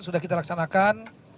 sudah kita laksanakan